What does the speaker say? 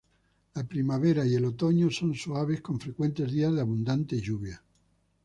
La primavera y el otoño son suaves con frecuentes días de abundante lluvia.